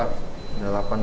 udah delapan pak